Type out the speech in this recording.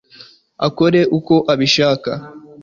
arakore uko abishaka